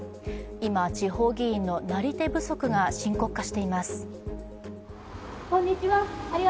今、地方議員のなり手不足が深刻化しています。